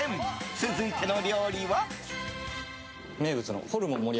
続いての料理は。